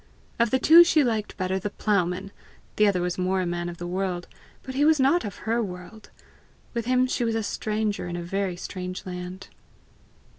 Of the two she liked better the ploughman! The other was more a man of the world but he was not of her world! With him she was a stranger in a very strange land!